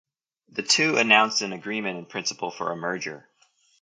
The two announced an agreement in principle for a merger.